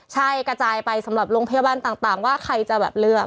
ใช่กระจายไปสำหรับโรงพยาบาลต่างว่าใครจะแบบเลือก